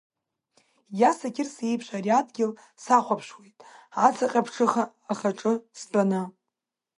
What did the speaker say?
Иаса Қьырса иеиԥш, ари адгьыл сахәаԥшуеит, ацаҟьаԥҽыха ахаҿы стәаны.